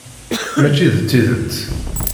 Mačči n tidet.